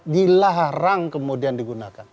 dilarang kemudian digunakan